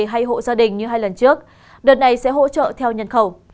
hay hộ gia đình như hai lần trước đợt này sẽ hỗ trợ theo nhân khẩu